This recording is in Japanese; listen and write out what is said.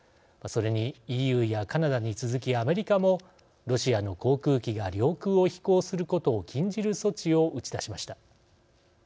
それにＥＵやカナダに続きアメリカもロシアの航空機が領空を飛行することを禁じる措置を打ち出しました。